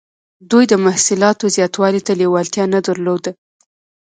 دوی د محصولاتو زیاتوالي ته لیوالتیا نه درلوده.